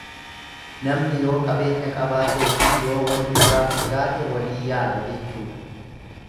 Namni yoo qabeenya qabaateefi yoo wal irraa fagaate walii yaada jechuudha.